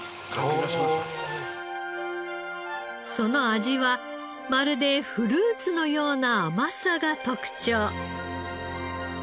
その味はまるでフルーツのような甘さが特徴。